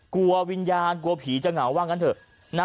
กลัววิญญาณกลัวผีจะเหงาว่างั้นเถอะ